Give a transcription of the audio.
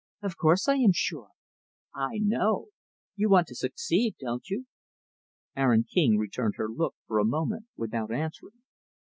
"Of course I am sure I know. You want to succeed don't you?" Aaron King returned her look, for a moment, without answering.